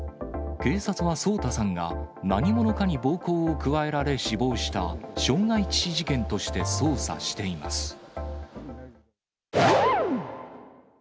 警察は、颯太さんが何者かに暴行を加えられ死亡した、傷害致死事件として捜査しています。